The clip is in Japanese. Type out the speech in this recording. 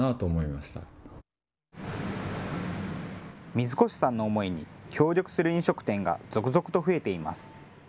水越さんの思いに協力する飲食店が続々と増えています。